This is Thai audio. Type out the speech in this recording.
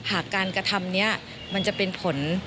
หากการกระทำนี้มันจะเป็นผล